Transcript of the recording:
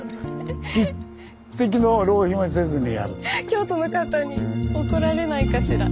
京都の方に怒られないかしら。